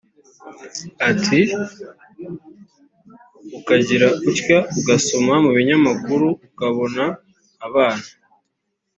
Ati “Ukagira utya ugasoma mu binyamakuru ukabona abana